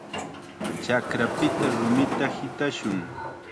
Chakrapita rumita hitashun.